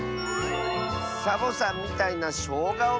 「サボさんみたいなしょうがをみつけた！」。